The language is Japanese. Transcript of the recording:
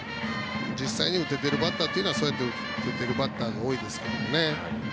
実際、打てているバッターはそうやって打っているバッターが多いですから。